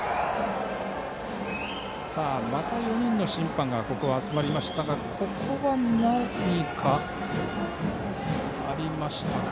また４人の審判が集まりましたがここは何かありましたか。